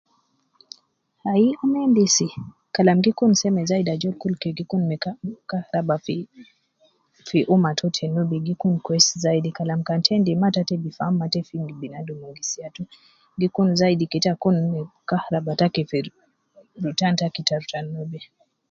Aii ana endisi, kalam gi kun seme zaidi ajol kul ke gi kun me ka kaharaba fi umma to te nubi, gi kun kwesi zaidi , kalam kan te endis ma ata te bi faham ma ta fi binadum engis yatu, gi kun zaidi kede ita kun me kaharaba taki fi, rutan taki ta rutan nubi